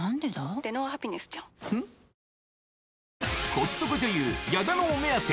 コストコ女優、矢田のお目当て。